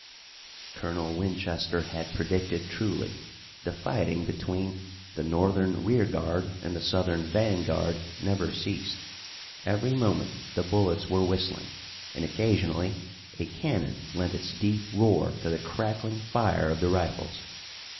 Colonel Winchester had predicted truly. The fighting between the Northern rearguard, and the Southern vanguard never ceased. Every moment the bullets were whistling, and occasionally a cannon lent its deep roar to the crackling fire of the rifles.